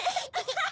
ハハハ！